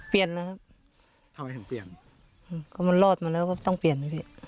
เปลี่ยนแล้วครับทำไมถึงเปลี่ยนอืมก็มันรอดมาแล้วก็ต้องเปลี่ยนเลย